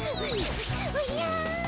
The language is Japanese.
おじゃ。